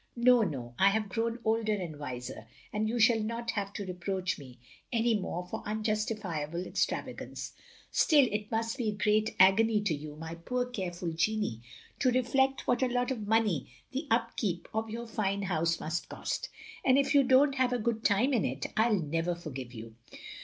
No, no, I have grown older and wiser, and you shall not have to reproach me any more for unjustifiable ex travagance. Still it must be great agony to you, my poor careful Jeanne, to reflect what a lot of money the upkeep of your fine house must cost; and if you donH have a good time in it, I'll never forgive you!